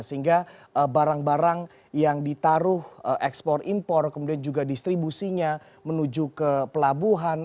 sehingga barang barang yang ditaruh ekspor impor kemudian juga distribusinya menuju ke pelabuhan